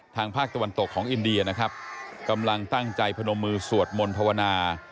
ทางภาคตะวันตกของอินเดียนะครับกำลังตั้งใจพนมมือสวดมนต์ภาวนา